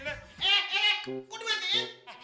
eh eh eh kok dimana ya